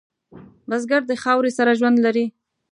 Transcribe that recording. بزګر د خاورې سره ژوند لري